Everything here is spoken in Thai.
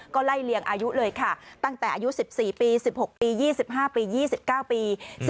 ก็ไล่เลียงอายุเลยค่ะตั้งแต่อายุ๑๔ปี๑๖ปี๒๕ปี๒๙ปี